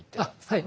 はい。